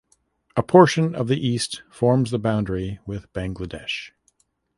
A portion of the east forms the boundary with Bangladesh.